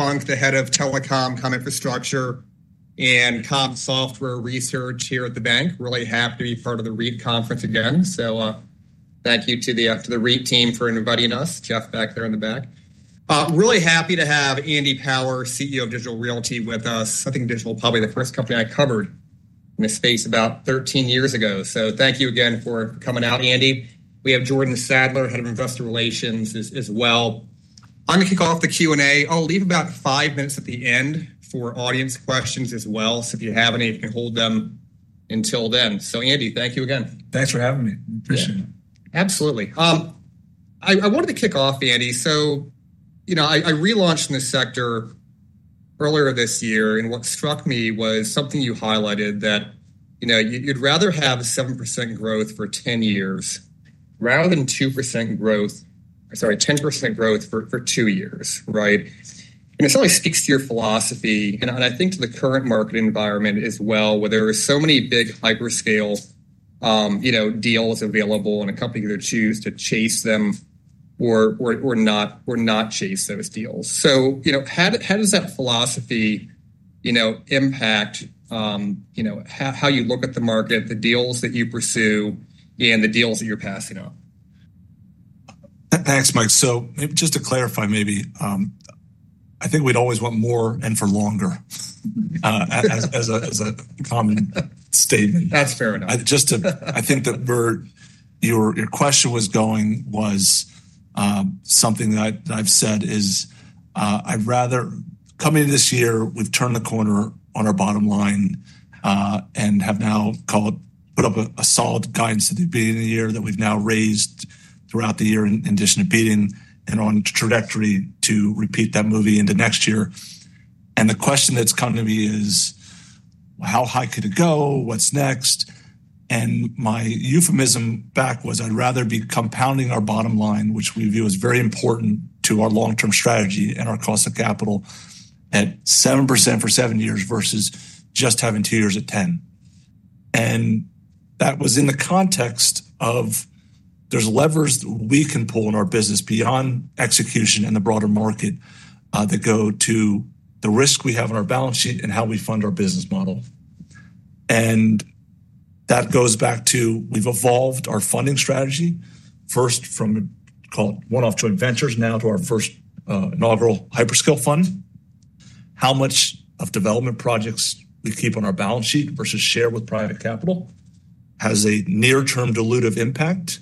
Thank the Head of Telecom, Com Infrastructure, and Com Software Research here at the bank. Really happy to be part of the REIT conference again. Thank you to the REIT team for inviting us. Jeff back there in the back. Really happy to have Andy Power, CEO of Digital Realty Trust, with us. I think Digital is probably the first company I covered in this space about 13 years ago. Thank you again for coming out, Andy. We have Jordan Sadler, Head of Investor Relations, as well. I'm going to kick off the Q&A. I'll leave about five minutes at the end for audience questions as well. If you have any, if you can hold them until then. Andy, thank you again. Thanks for having me. Appreciate it. Absolutely. I wanted to kick off, Andy. I relaunched in the sector earlier this year, and what struck me was something you highlighted that you'd rather have 7% growth for 10 years rather than 10% growth for two years, right? It sort of speaks to your philosophy. I think to the current market environment as well, where there are so many big hyperscale deals available and companies that choose to chase them or not chase those deals. How does that philosophy impact how you look at the market, the deals that you pursue, and the deals that you're passing on? Thanks, Mike. Just to clarify, I think we'd always want more and for longer, as a common statement. That's fair enough. Just to, I think the word your question was going was, something that I've said is, I'd rather come in this year, we've turned the corner on our bottom line, and have now called, put up a solid guidance at the beginning of the year that we've now raised throughout the year in addition to beating and on trajectory to repeat that movie into next year. The question that's come to me is, how high could it go? What's next? My euphemism back was I'd rather be compounding our bottom line, which we view as very important to our long-term strategy and our cost of capital at 7% for seven years versus just having two years at 10%. That was in the context of there's levers that we can pull in our business beyond execution in the broader market that go to the risk we have on our balance sheet and how we fund our business model. That goes back to we've evolved our funding strategy, first from called one-off joint ventures, now to our first novel hyperscale fund. How much of development projects we keep on our balance sheet versus share with private capital has a near-term dilutive impact,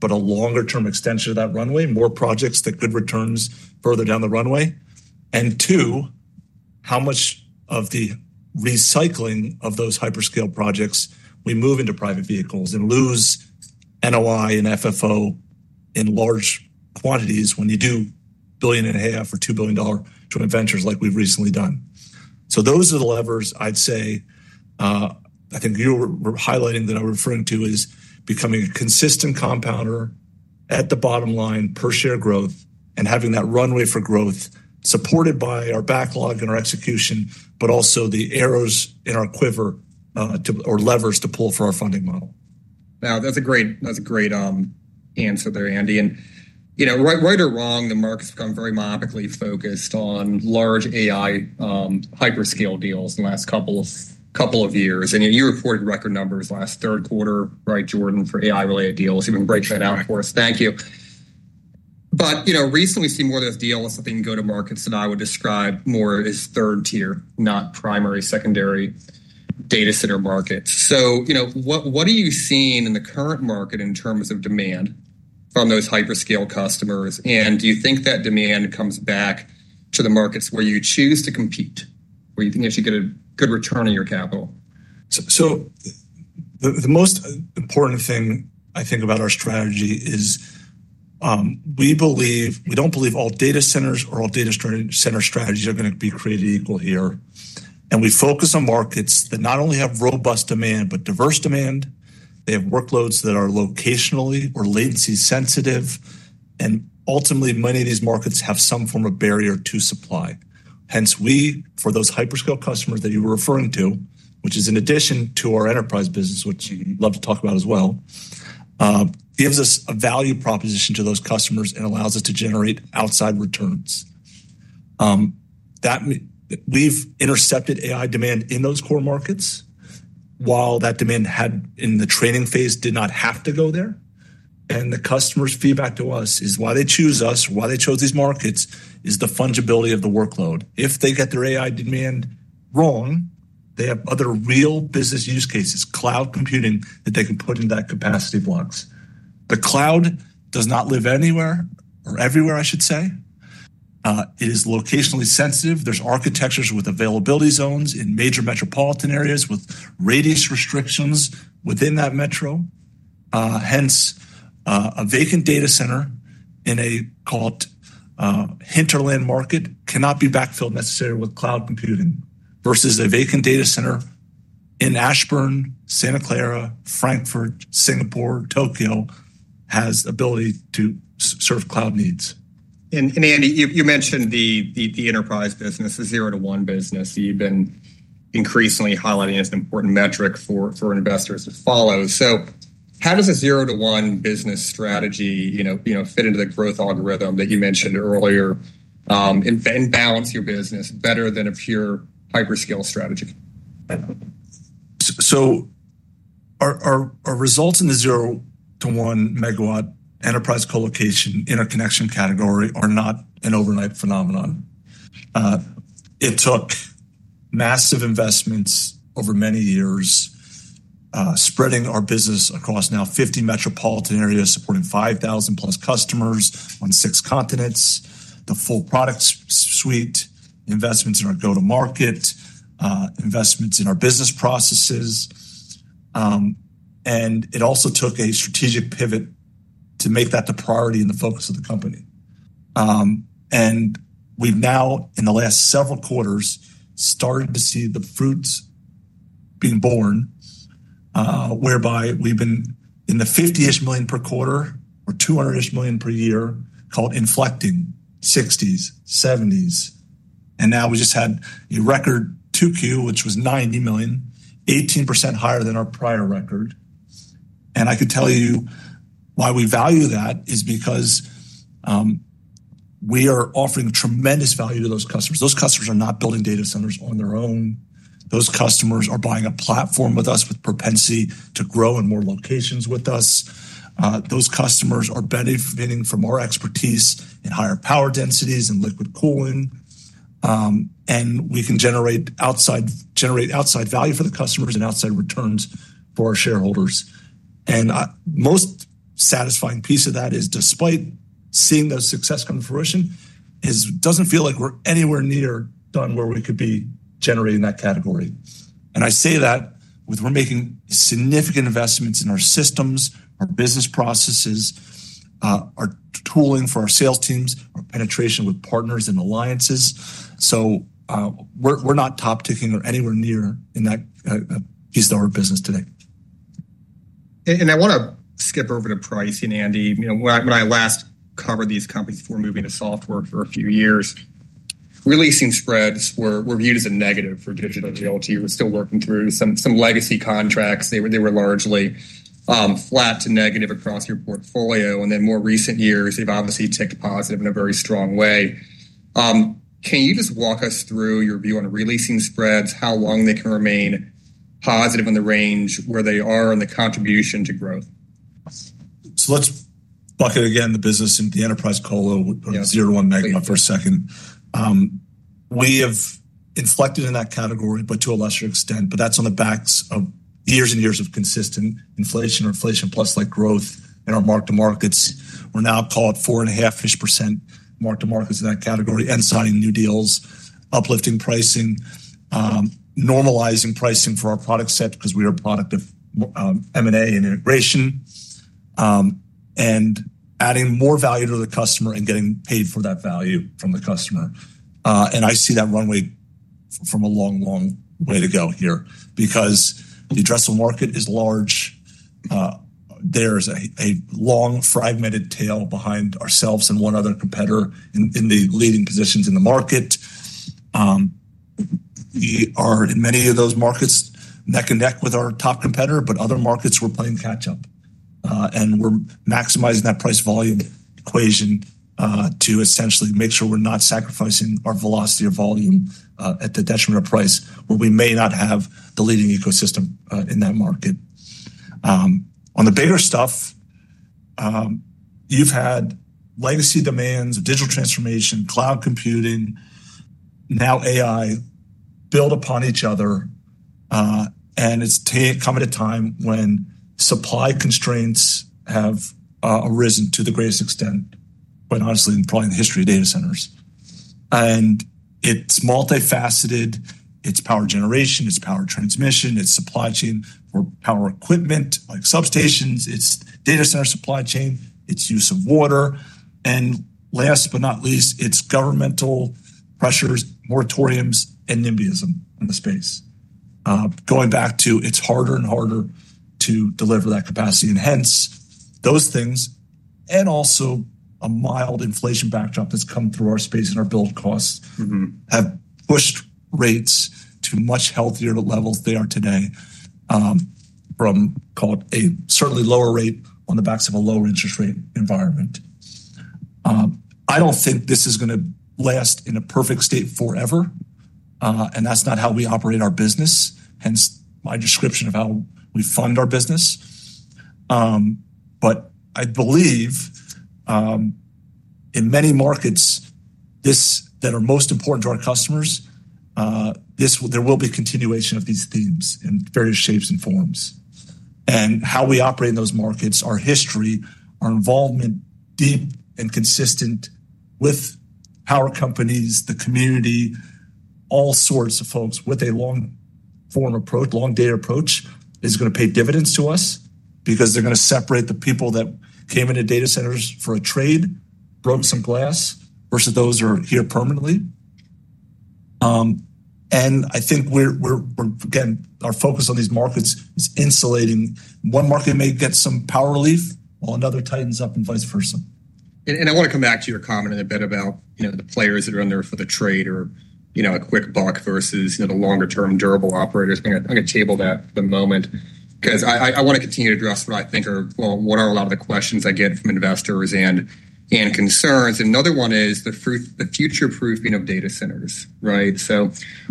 but a longer-term extension of that runway, more projects that could return further down the runway. Two, how much of the recycling of those hyperscale projects we move into private capital vehicles and lose NOI and FFO in large quantities when you do $1.5 billion or $2 billion joint ventures like we've recently done. Those are the levers I'd say, I think you were highlighting that I'm referring to is becoming a consistent compounder at the bottom line per share growth and having that runway for growth supported by our backlog and our execution, but also the arrows in our quiver, or levers to pull for our funding model. That's a great answer there, Andy. You know, right or wrong, the market's become very mobily focused on large AI, hyperscale deals in the last couple of years. You reported record numbers last third quarter, right, Jordan, for AI-related deals. You're going to break that out for us. Thank you. Recently we've seen more of those deals that can go to markets that I would describe more as third tier, not primary, secondary data center markets. What are you seeing in the current market in terms of demand from those hyperscale customers? Do you think that demand comes back to the markets where you choose to compete, where you think you actually get a good return on your capital? The most important thing I think about our strategy is, we believe, we don't believe all data centers or all data center strategies are going to be created equal here. We focus on markets that not only have robust demand, but diverse demand. They have workloads that are locationally or latency sensitive. Ultimately, many of these markets have some form of barrier to supply. For those hyperscale customers that you were referring to, which is in addition to our enterprise business, which you love to talk about as well, it gives us a value proposition to those customers and allows us to generate outside returns. We've intercepted AI demand in those core markets while that demand had, in the training phase, did not have to go there. The customer's feedback to us is why they choose us, why they chose these markets is the fungibility of the workload. If they get their AI demand wrong, they have other real business use cases, cloud computing that they can put into that capacity blocks. The cloud does not live anywhere or everywhere, I should say. It is locationally sensitive. There's architectures with availability zones in major metropolitan areas with radius restrictions within that metro. A vacant data center in a called, hinterland market cannot be backfilled necessarily with cloud computing versus a vacant data center in Ashburn, Santa Clara, Frankfurt, Singapore, Tokyo has the ability to serve cloud needs. Andy, you mentioned the enterprise business, the zero to one business. You've been increasingly highlighting as an important metric for investors to follow. How does a zero to one business strategy fit into the growth algorithm that you mentioned earlier, and balance your business better than a pure hyperscale strategy? Our results in the zero to one megawatt enterprise colocation and interconnection category are not an overnight phenomenon. It took massive investments over many years, spreading our business across now 50 metropolitan areas, supporting 5,000 plus customers on six continents, the full product suite, investments in our go-to-market, investments in our business processes. It also took a strategic pivot to make that the priority and the focus of the company. We have now, in the last several quarters, started to see the fruits being born, whereby we have been in the $50 million per quarter or $200 million per year, called inflecting, 60s, 70s. We just had a record 2Q, which was $90 million, 18% higher than our prior record. I can tell you why we value that, because we are offering tremendous value to those customers. Those customers are not building data centers on their own. Those customers are buying a platform with us with propensity to grow in more locations with us. Those customers are benefiting from our expertise in higher power densities and liquid cooling. We can generate outside value for the customers and outside returns for our shareholders. The most satisfying piece of that is, despite seeing the success come to fruition, it does not feel like we are anywhere near done where we could be generating that category. I say that with we are making significant investments in our systems, our business processes, our tooling for our sales teams, our penetration with partners and alliances. We are not top ticking or anywhere near in that piece of our business today. I want to skip over to pricing, Andy. You know, when I last covered these companies before moving to software for a few years, releasing spreads were viewed as a negative for Digital Realty Trust. We were still working through some legacy contracts. They were largely flat to negative across your portfolio. In more recent years, they've obviously ticked positive in a very strong way. Can you just walk us through your view on releasing spreads, how long they can remain positive in the range where they are, and the contribution to growth? Let's bucket again the business in the enterprise colocation zero to one megawatt for a second. We have inflected in that category, but to a lesser extent, but that's on the backs of years and years of consistent inflation or inflation plus like growth in our mark to markets. We're now called 4.5%-ish mark to markets in that category, end-signing new deals, uplifting pricing, normalizing pricing for our product set because we are a product of M&A and integration and adding more value to the customer and getting paid for that value from the customer. I see that runway from a long, long way to go here because the addressable market is large. There's a long fragmented tail behind ourselves and one other competitor in the leading positions in the market. We are in many of those markets that connect with our top competitor, but other markets we're playing catch-up. We're maximizing that price volume equation to essentially make sure we're not sacrificing our velocity of volume at the detriment of price where we may not have the leading ecosystem in that market. On the beta stuff, you've had legacy demands, digital transformation, cloud computing, now AI build upon each other. It's come at a time when supply constraints have arisen to the greatest extent, quite honestly, probably in the history of data centers. It's multifaceted. It's power generation. It's power transmission. It's supply chain or power equipment like substations. It's data center supply chain. It's use of water. Last but not least, it's governmental pressures, moratoriums, and NIMBYism in the space. Going back to it's harder and harder to deliver that capacity. Hence, those things and also a mild inflation backdrop that's come through our space and our build costs have pushed rates to much healthier levels they are today from a certainly lower rate on the backs of a lower interest rate environment. I don't think this is going to last in a perfect state forever. That's not how we operate our business, hence my description of how we fund our business. I believe in many markets that are most important to our customers, there will be a continuation of these themes in various shapes and forms. How we operate in those markets, our history, our involvement deep and consistent with power companies, the community, all sorts of folks with a long form approach, long data approach is going to pay dividends to us because they're going to separate the people that came into data centers for a trade, broke some glass versus those who are here permanently. I think our focus on these markets is insulating. One market may get some power relief while another tightens up and vice versa. I want to come back to your comment in a bit about the players that are in there for the trade or a quick buck versus the longer-term durable operators. I'm going to table that for the moment because I want to continue to address what I think are a lot of the questions I get from investors and concerns. Another one is the future proofing of data centers, right?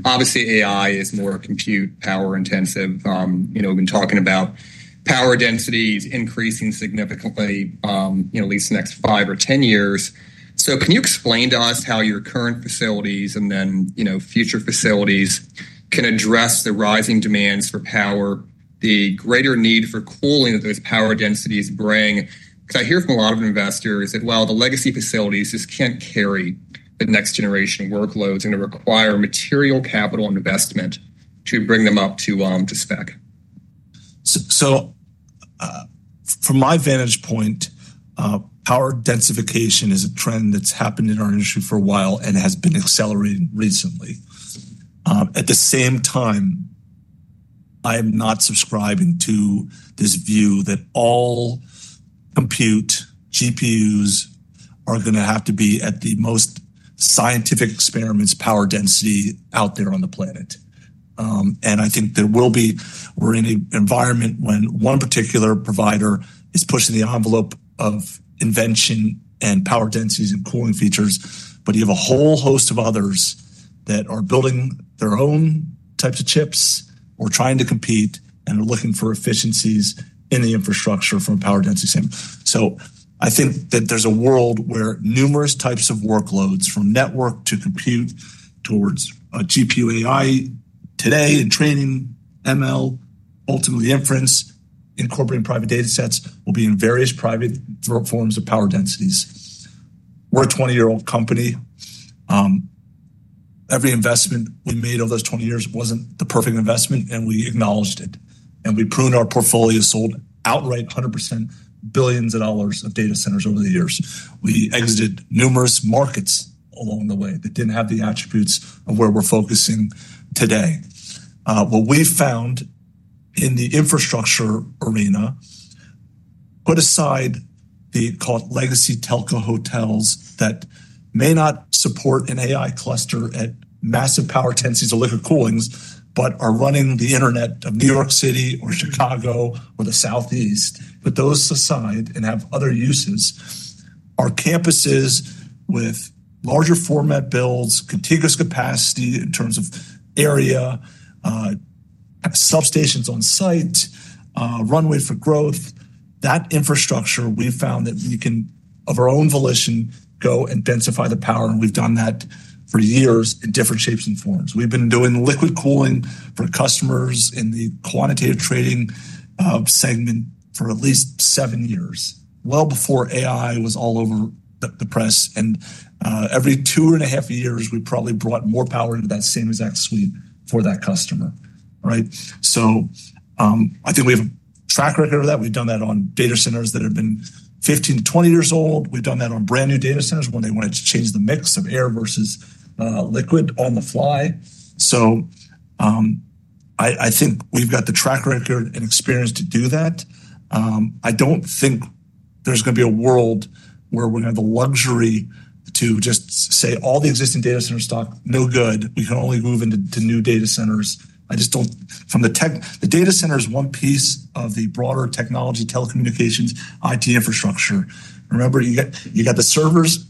Obviously, AI is more compute power intensive. We've been talking about power densities increasing significantly in at least the next five or 10 years. Can you explain to us how your current facilities and then future facilities can address the rising demands for power, the greater need for cooling that those power densities bring? I hear from a lot of investors that while the legacy facilities just can't carry the next generation workloads and require material capital investment to bring them up to spec. From my vantage point, power densification is a trend that's happened in our industry for a while and has been accelerating recently. At the same time, I am not subscribing to this view that all compute GPUs are going to have to be at the most scientific experiments power density out there on the planet. I think there will be, we're in an environment when one particular provider is pushing the envelope of invention and power densities and cooling features, but you have a whole host of others that are building their own types of chips or trying to compete and are looking for efficiencies in the infrastructure from a power density standpoint. I think that there's a world where numerous types of workloads from network to compute towards GPU AI today and training ML, ultimately inference, incorporating private data sets will be in various private forms of power densities. We're a 20-year-old company. Every investment we made over those 20 years wasn't the perfect investment, and we acknowledged it. We pruned our portfolio and sold outright 100% billions of dollars of data centers over the years. We exited numerous markets along the way that didn't have the attributes of where we're focusing today. What we found in the infrastructure arena, put aside the called legacy telco hotels that may not support an AI cluster at massive power densities or liquid cooling, but are running the internet of New York City or Chicago or the Southeast. Those aside and have other uses, our campuses with larger format builds, contiguous capacity in terms of area, substations on site, runway for growth, that infrastructure we found that we can, of our own volition, go and densify the power. We've done that for years in different shapes and forms. We've been doing liquid cooling for customers in the quantitative trading segment for at least seven years, well before AI was all over the press. Every two and a half years, we probably brought more power into that same exact suite for that customer. I think we have a track record of that. We've done that on data centers that have been 15, 20 years old. We've done that on brand new data centers when they wanted to change the mix of air versus liquid on the fly. I think we've got the track record and experience to do that. I don't think there's going to be a world where we're going to have the luxury to just say all the existing data center stock, no good. We can only move into new data centers. I just don't, from the tech, the data center is one piece of the broader technology, telecommunications, IT infrastructure. Remember, you got the servers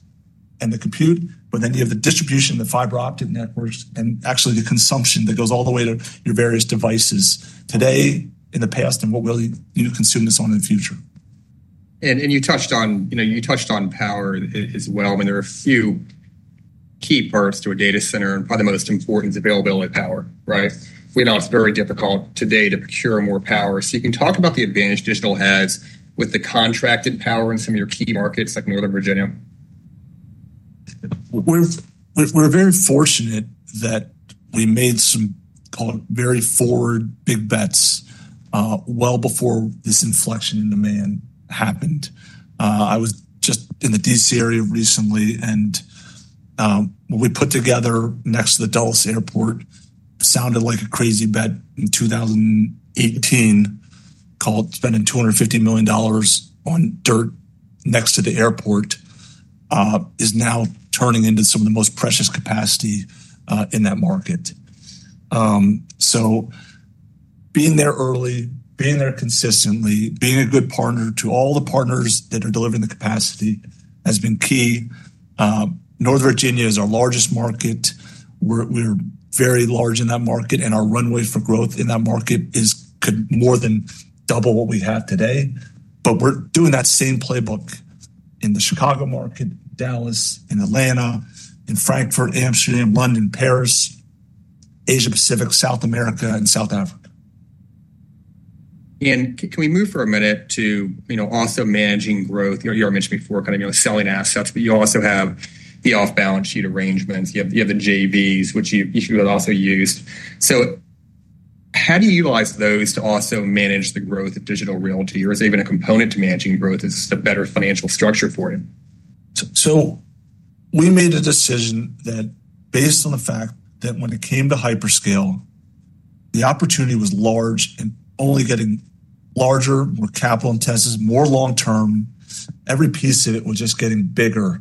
and the compute, but then you have the distribution, the fiber optic networks, and actually the consumption that goes all the way to your various devices today, in the past, and what will you consume this on in the future. You touched on power as well. There are a few key parts to a data center, and probably the most important is availability of power, right? We know it's very difficult today to procure more power. Can you talk about the advantage Digital Realty Trust has with the contracted power in some of your key markets like Northern Virginia? We're very fortunate that we made some very forward big bets well before this inflection in demand happened. I was just in the D.C. area recently, and what we put together next to the Dulles Airport sounded like a crazy bet in 2018. Spending $250 million on dirt next to the airport is now turning into some of the most precious capacity in that market. Being there early, being there consistently, being a good partner to all the partners that are delivering the capacity has been key. Northern Virginia is our largest market. We're very large in that market, and our runway for growth in that market could more than double what we have today. We're doing that same playbook in the Chicago market, Dallas, Atlanta, Frankfurt, Amsterdam, London, Paris, Asia Pacific, South America, and South Africa. Can we move for a minute to also managing growth? You already mentioned before kind of selling assets, but you also have the off-balance sheet arrangements. You have the joint ventures, which you could also use. How do you utilize those to also manage the growth of Digital Realty Trust, or is there even a component to managing growth? Is this a better financial structure for you? We made a decision that based on the fact that when it came to hyperscale, the opportunity was large and only getting larger with capital intensities, more long-term, every piece of it was just getting bigger.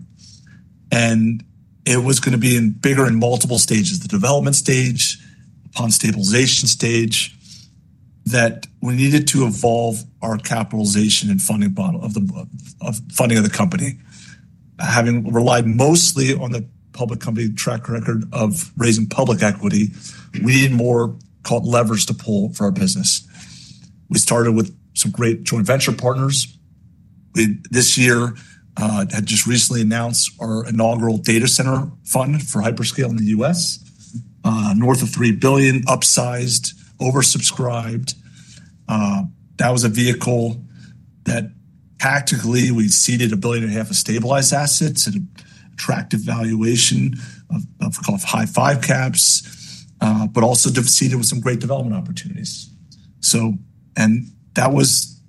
It was going to be bigger in multiple stages, the development stage, on stabilization stage, that we needed to evolve our capitalization and funding of the company. Having relied mostly on the public company track record of raising public equity, we need more called levers to pull for our business. We started with some great joint venture partners. This year, I had just recently announced our inaugural data center fund for hyperscale in the U.S., north of $3 billion, upsized, oversubscribed. That was a vehicle that tactically we seeded a billion and a half of stabilized assets at an attractive valuation of high five caps, but also seeded with some great development opportunities.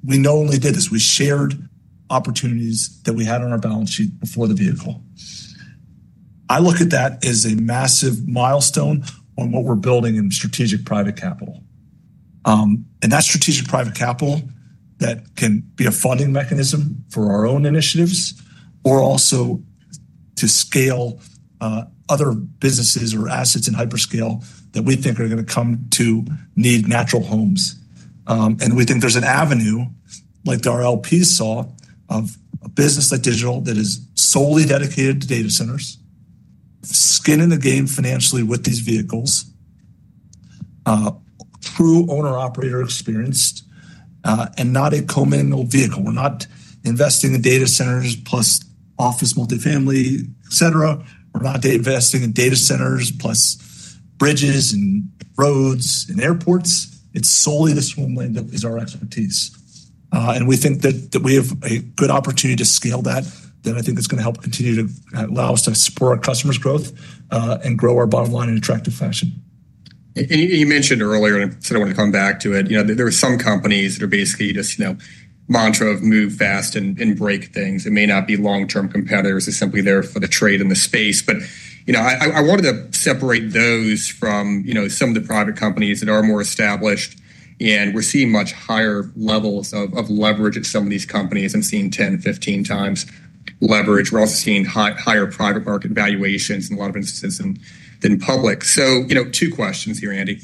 We not only did this, we shared opportunities that we had on our balance sheet before the vehicle. I look at that as a massive milestone on what we're building in strategic private capital. That strategic private capital can be a funding mechanism for our own initiatives or also to scale other businesses or assets in hyperscale that we think are going to come to need natural homes. We think there's an avenue like our LP saw of a business like Digital Realty Trust that is solely dedicated to data centers, skin in the game financially with these vehicles, true owner-operator experienced, and not a co-mingled vehicle. We're not investing in data centers plus office multifamily, etc. We're not investing in data centers plus bridges and roads and airports. It's solely the swim lane that is our expertise. We think that we have a good opportunity to scale that that I think is going to help continue to allow us to support our customers' growth and grow our bottom line in an attractive fashion. You mentioned earlier, I said I want to come back to it. There are some companies that are basically just, you know, mantra of move fast and break things. It may not be long-term competitors. They're simply there for the trade in the space. I wanted to separate those from some of the private companies that are more established. We're seeing much higher levels of leverage in some of these companies. I'm seeing 10 to 15 times leverage. We're also seeing higher private market valuations in a lot of instances than public. Two questions here, Andy.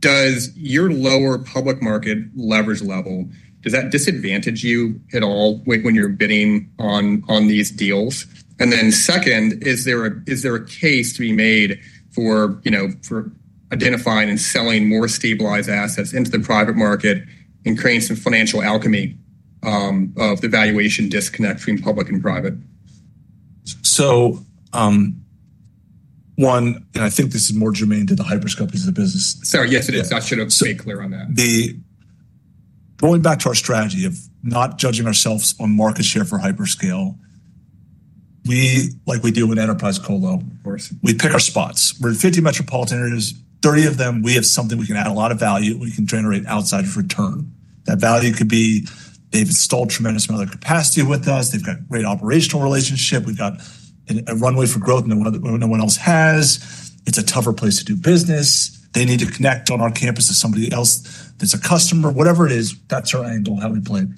Does your lower public market leverage level, does that disadvantage you at all when you're bidding on these deals? Second, is there a case to be made for identifying and selling more stabilized assets into the private market and creating some financial alchemy of the valuation disconnect between public and private? I think this is more germane to the hyperscale business. Sorry, yes, it is. I should have stayed clear on that. Going back to our strategy of not judging ourselves on market share for hyperscale, like we do with enterprise colocation, of course, we pick our spots. We're in 50 metropolitan areas, 30 of them. We have something we can add a lot of value, we can generate outside of return. That value could be they've installed a tremendous amount of capacity with us. They've got a great operational relationship. We've got a runway for growth that no one else has. It's a tougher place to do business. They need to connect on our campus to somebody else that's a customer, whatever it is, that's our angle having played.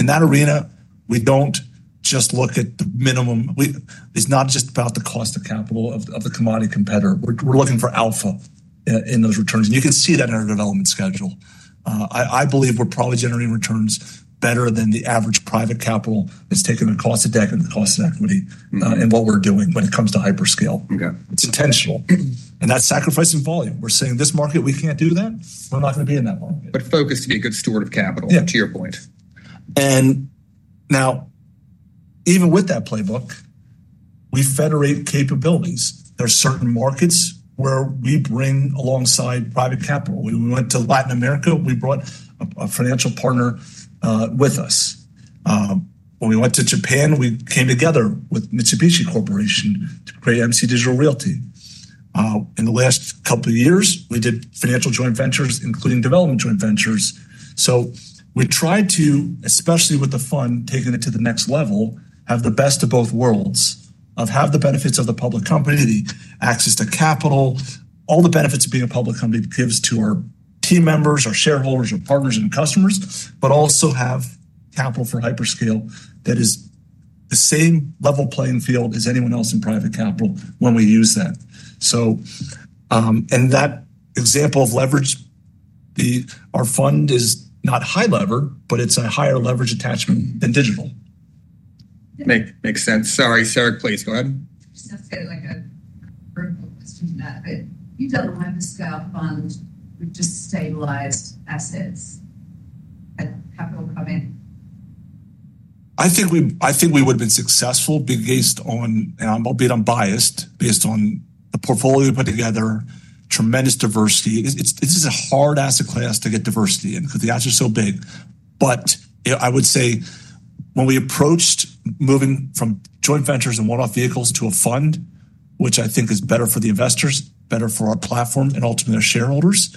In that arena, we don't just look at the minimum. It's not just about the cost of capital of the commodity competitor. We're looking for alpha in those returns. You can see that in our development schedule. I believe we're probably generating returns better than the average private capital that's taken the cost of debt and the cost of equity in what we're doing when it comes to hyperscale. It's intentional. That's sacrificing volume. We're saying in this market, we can't do that. We're not going to be in that market. To be a good steward of capital, to your point. Now, even with that playbook, we federate capabilities. There are certain markets where we bring alongside private capital. When we went to Latin America, we brought a financial partner with us. When we went to Japan, we came together with Mitsubishi Corporation to create MC Digital Realty. In the last couple of years, we did financial joint ventures, including development joint ventures. We tried to, especially with the fund, taking it to the next level, have the best of both worlds, have the benefits of the public company, the access to capital, all the benefits of being a public company that gives to our team members, our shareholders, our partners, and customers, but also have capital for hyperscale that is the same level playing field as anyone else in private capital when we use that. That example of leverage, our fund is not high lever, but it's a higher leverage attachment than Digital. Makes sense. Sorry, Jordan, please go ahead. You don't know why the $3 billion hyperscale data center fund would just stabilize assets. I think we would have been successful based on, and I'm albeit unbiased, based on the portfolio we put together, tremendous diversity. This is a hard asset class to get diversity in because the assets are so big. I would say when we approached moving from joint ventures and one-off vehicles to a fund, which I think is better for the investors, better for our platform, and ultimately our shareholders,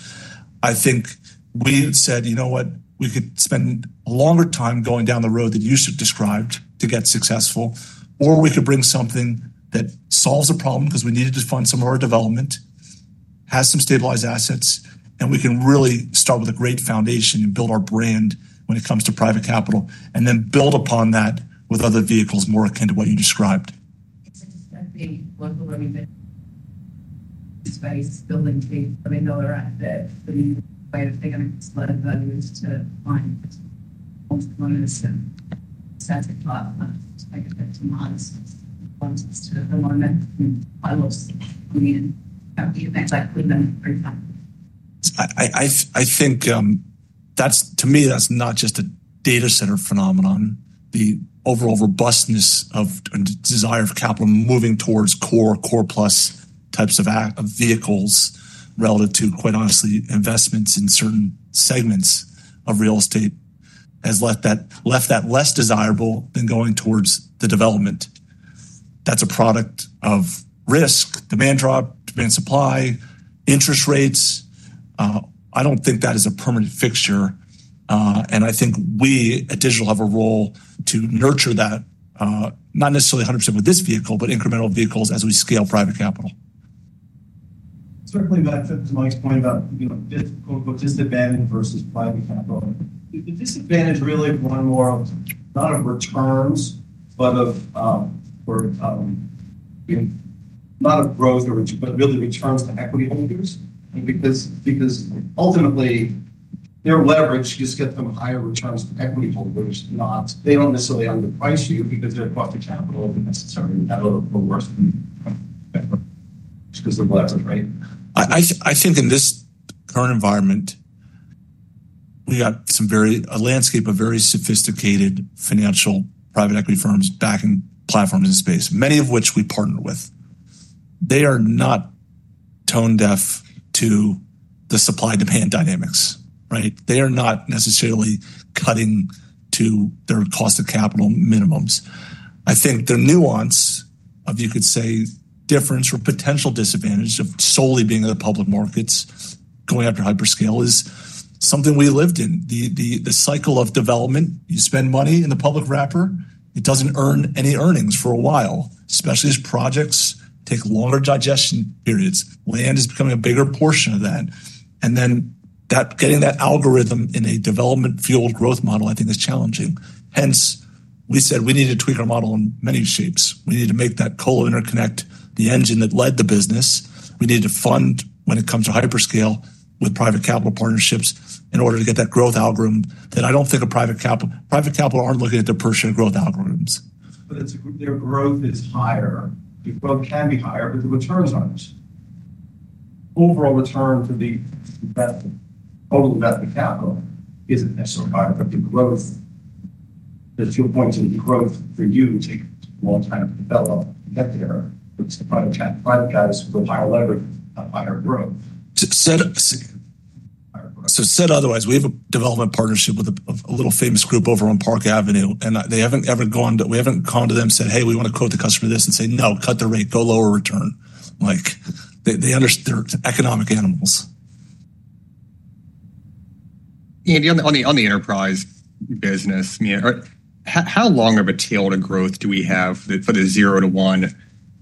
I think we had said, you know what, we could spend a longer time going down the road that you described to get successful, or we could bring something that solves a problem because we needed to fund some of our development, have some stabilized assets, and we can really start with a great foundation and build our brand when it comes to private capital, and then build upon that with other vehicles more akin to what you described. Space building to be, we know we're at for the way of thinking and sliding values to find multiple solutions. I think I'm not going to take a 50 minus and just to the one that I love since I'm leading, that would be a better. I think that's, to me, that's not just a data center phenomenon. The overall robustness of the desire of capital moving towards core, core plus types of vehicles relative to, quite honestly, investments in certain segments of real estate has left that less desirable than going towards the development. That's a product of risk, demand drop, demand supply, interest rates. I don't think that is a permanent fixture. I think we at Digital Realty Trust have a role to nurture that, not necessarily 100% with this vehicle, but incremental vehicles as we scale private capital. Circling back to Mike's point about the disadvantage versus private capital, the disadvantage really is one more of not of returns, but of, not of growth, but really returns to equity holders. Because ultimately, their leverage you just get from higher returns to equity holders, not. They don't necessarily own the price you get because their cost of capital is necessarily better or worse than you. I think in this current environment, we have very sophisticated financial private equity firms backing platforms in the space, many of which we partner with. They are not tone deaf to the supply and demand dynamics, right? They are not necessarily cutting to their cost of capital minimums. I think the nuance of, you could say, difference or potential disadvantage of solely being in the public markets, going after hyperscale is something we lived in. The cycle of development, you spend money in the public wrapper, it doesn't earn any earnings for a while, especially as projects take longer digestion periods. Land is becoming a bigger portion of that. Getting that algorithm in a development field growth model, I think is challenging. Hence, we said we needed to tweak our model in many shapes. We needed to make that colocation interconnect the engine that led the business. We needed to fund when it comes to hyperscale with private capital partnerships in order to get that growth algorithm that I don't think private capital aren't looking at the % growth algorithms. Their growth is higher. The growth can be higher, but the returns aren't. Overall return for the total investment capital isn't necessarily higher, but the growth, as you're pointing, the growth they're using a long time to develop and get there with the private capital guys who are going to. We have a development partnership with a little famous group over on Park Avenue, and we haven't gone to them and said, "Hey, we want to quote the customer this and say, no, cut the rate, go lower return." They understand they're economic animals. On the enterprise business, how long of a tail to growth do we have for the zero to one megawatt?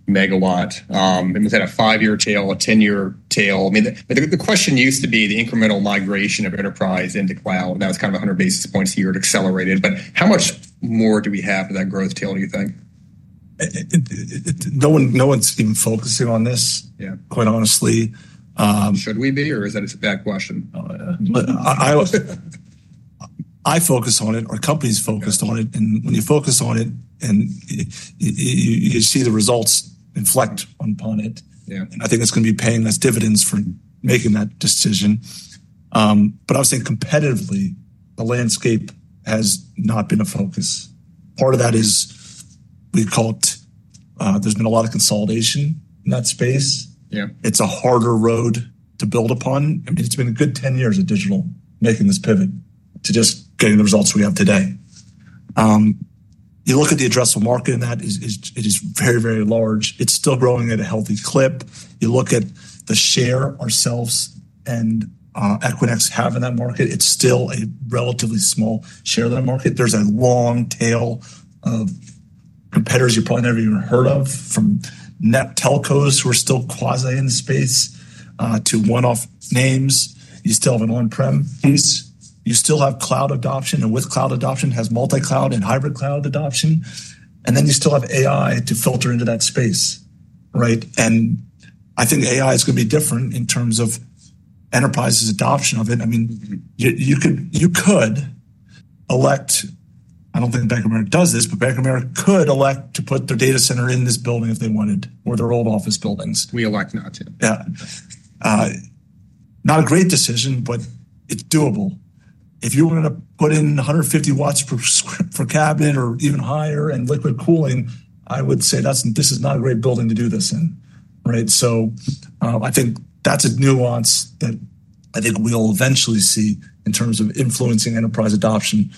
Is that a five-year tail, a 10-year tail? The question used to be the incremental migration of enterprise into cloud, and that was kind of 100 bps a year to accelerate it. How much more do we have for that growth tail, do you think? No one's even focusing on this, quite honestly. Should we be, or is that a bad question? I focus on it, our company's focused on it, and when you focus on it, you see the results inflect upon it. I think it's going to be paying us dividends from making that decision. I've seen competitively, the landscape has not been a focus. Part of that is we've called, there's been a lot of consolidation in that space. It's a harder road to build upon. I mean, it's been a good 10 years of Digital Realty Trust making this pivot to just getting the results we have today. You look at the addressable market in that, it is very, very large. It's still growing at a healthy clip. You look at the share ourselves and Equinix have in that market, it's still a relatively small share of that market. There's a long tail of competitors you probably never even heard of from net telcos who are still quasi in the space to one-off names. You still have an on-prem piece. You still have cloud adoption, and with cloud adoption has multi-cloud and hybrid cloud adoption. You still have AI to filter into that space. Right? I think AI is going to be different in terms of enterprise's adoption of it. I mean, you could elect, I don't think Bank of America does this, but Bank of America could elect to put their data center in this building if they wanted, or their old office buildings. We elect not to. Yeah. Not a great decision, but it's doable. If you were going to put in 150 watts per cabinet or even higher and liquid cooling, I would say this is not a great building to do this in. I think that's a nuance that I think we'll eventually see in terms of influencing enterprise adoption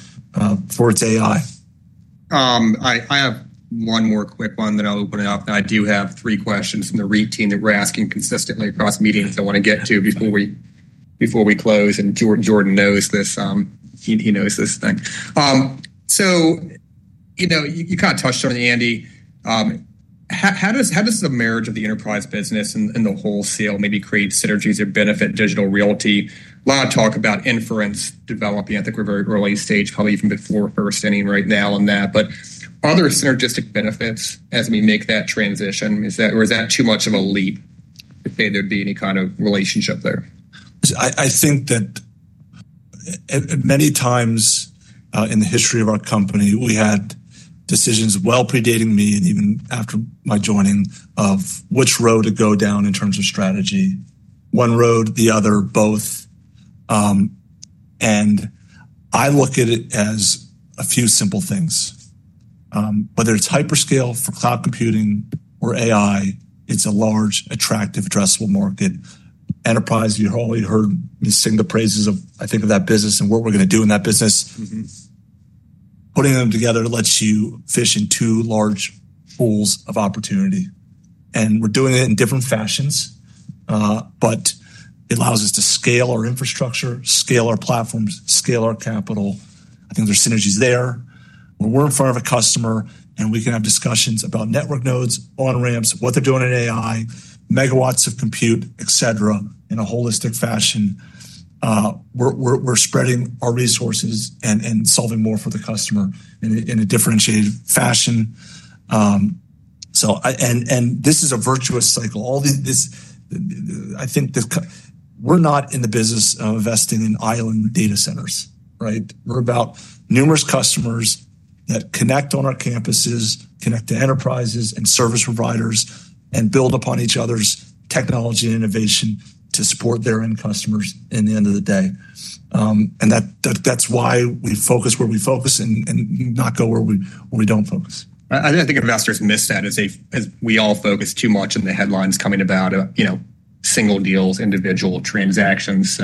for its AI. I have one more quick one that I'll open it up, and I do have three questions from the REIT team that we're asking consistently across meetings I want to get to before we close, and Jordan knows this, he knows this thing. You kind of touched on it, Andy. How does the marriage of the enterprise business and the wholesale maybe create synergies that benefit Digital Realty Trust? A lot of talk about inference developing. I think we're very early stage, probably even before first inning right now on that. Other synergistic benefits as we make that transition, or is that too much of a leap to say there'd be any kind of relationship there? I think that many times in the history of our company, we had decisions well predating me, even after my joining, of which road to go down in terms of strategy. One road, the other, both. I look at it as a few simple things. Whether it's hyperscale for cloud computing or AI, it's a large, attractive, addressable market. Enterprise, you've only heard me sing the praises of, I think, of that business and what we're going to do in that business. Putting them together lets you fish in two large pools of opportunity. We're doing it in different fashions, but it allows us to scale our infrastructure, scale our platforms, scale our capital. I think there's synergies there. When we're in front of a customer and we can have discussions about network nodes, on-ramps, what they're doing in AI, megawatts of compute, etc., in a holistic fashion, we're spreading our resources and solving more for the customer in a differentiated fashion. This is a virtuous cycle. All this, I think we're not in the business of investing in island data centers. We're about numerous customers that connect on our campuses, connect to enterprises and service providers, and build upon each other's technology and innovation to support their end customers in the end of the day. That's why we focus where we focus and not go where we don't focus. I think investors miss that as we all focus too much on the headlines coming about, you know, single deals, individual transactions.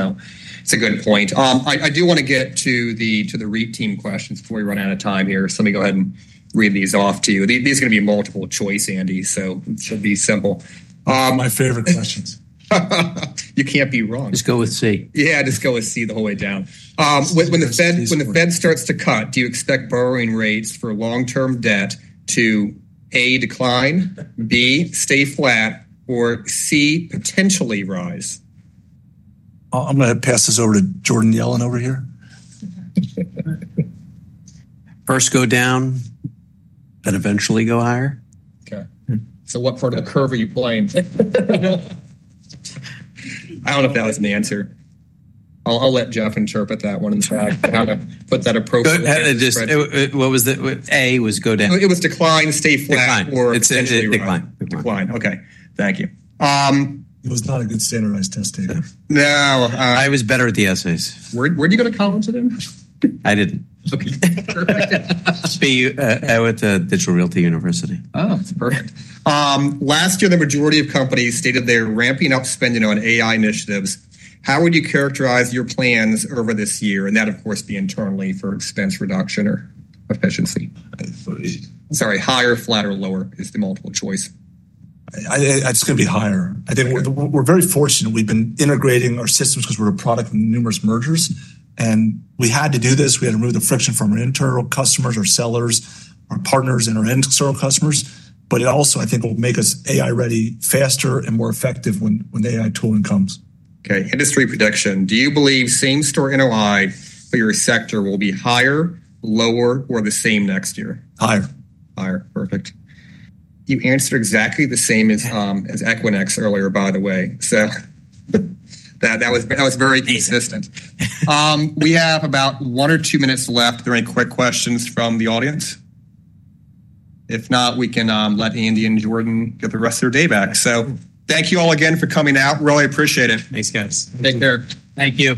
It's a good point. I do want to get to the REIT team questions before we run out of time here. Let me go ahead and read these off to you. These are going to be multiple choice, Andy, so it should be simple. My favorite questions. You can't be wrong. Just go with C. Yeah, just go with C the whole way down. When the Fed starts to cut, do you expect borrowing rates for long-term debt to A, decline, B, stay flat, or C, potentially rise? I'm going to pass this over to Jordan Sadler over here. First go down, then eventually go higher? Okay. What part of the curve are you playing? I don't know if that was an answer. I'll let Jeff interpret that one and try to put that appropriately. What was it? I was going down. It was decline, stay flat, or it's decline. Decline. Okay. Thank you. It was not a good standardized test data. No, I was better at the essays. Where did you go to college then? I didn't. Okay. I went to Digital Realty University. Oh, that's perfect. Last year, the majority of companies stated they're ramping up spending on AI initiatives. How would you characterize your plans over this year? That, of course, could be internally for expense reduction or efficiency. Sorry, higher, flatter, lower is the multiple choice. I think it's going to be higher. We're very fortunate. We've been integrating our systems because we're a product of numerous mergers. We had to do this. We had to remove the friction from our internal customers, our sellers, our partners, and our external customers. It also, I think, will make us AI-ready faster and more effective when the AI tooling comes. Okay. Industry prediction. Do you believe same story in Allied for your sector will be higher, lower, or the same next year? Higher. Higher. Perfect. You answered exactly the same as Equinix earlier, by the way. That was very consistent. We have about one or two minutes left. Are there any quick questions from the audience? If not, we can let Andy and Jordan get the rest of their day back. Thank you all again for coming out. Really appreciate it. Thanks, guys. Take care. Thank you.